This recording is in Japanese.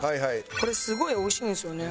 これすごいおいしいんですよね